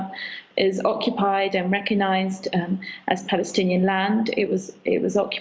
diperlukan dan diperkenalkan sebagai tanah palestina itu diperlukan